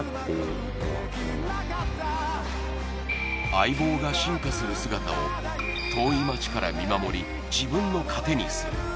相棒が進化する姿を遠い街から見守り自分の糧にする